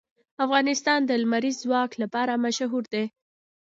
افغانستان د لمریز ځواک لپاره مشهور دی.